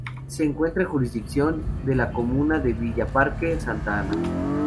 Se encuentra en jurisdicción de la comuna de Villa Parque Santa Ana.